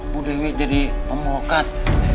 bu dewi jadi pemohon kat